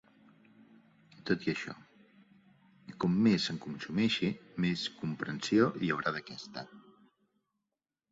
Tot i això, com més se'n consumeixi, més comprensió hi haurà d'aquesta.